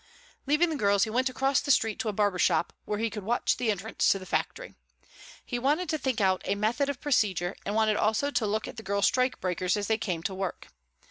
Leaving the girls he went across the street to a barber shop where he could watch the entrance to the factory. He wanted to think out a method of procedure and wanted also to look at the girl strikebreakers as they came to work.